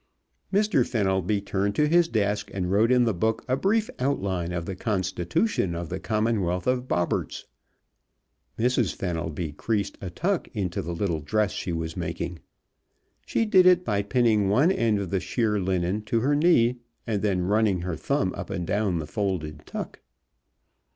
Mr. Fenelby turned to his desk and wrote in the book a brief outline of the Constitution of the Commonwealth of Bobberts. Mrs. Fenelby creased a tuck into the little dress she was making. She did it by pinning one end of the sheer linen to her knee and then running her thumb up and down the folded tuck.